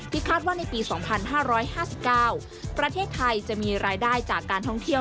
คาดว่าในปี๒๕๕๙ประเทศไทยจะมีรายได้จากการท่องเที่ยว